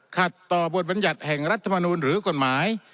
ขัดต่อบทบรรยัติแห่งรัฐมนูลหรือกฎหมาย